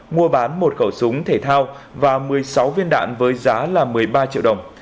mua bán một khẩu súng thể thao và một mươi sáu viên đạn với giá là một mươi ba triệu đồng